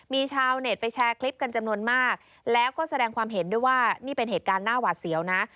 มีชาวเน็ตไปแชร์คลิปกันจำนวนมากแล้วก็แสดงความเห็นด้วยว่านี่เป็นเหตุการณ์หน้าหวาดเสียวนะ